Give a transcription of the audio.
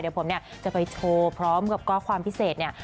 เดี๋ยวผมเนี่ยจะไปโชว์พร้อมกับข้อความพิเศษเนี่ย